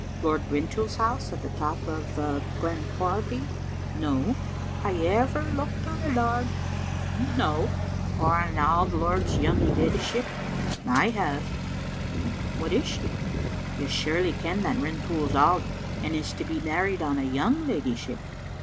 " Lord Rintoul's house at the top of Glen Quharity? No." " Hae you ever looked on a lord?" "No." " Or on an auld lord's young leddyship? I have. "What is she?" "You surely ken that Rintoul's auld, and is to be married on a young leddyship.